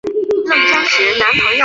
周柏豪小时候居住在青衣长康邨。